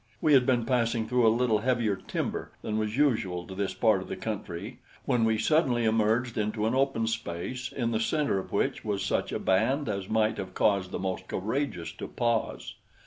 We had been passing through a little heavier timber than was usual to this part of the country, when we suddenly emerged into an open space in the center of which was such a band as might have caused the most courageous to pause.